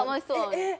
えっ？